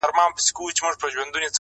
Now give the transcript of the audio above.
یار اوسېږمه په ښار نا پرسان کي،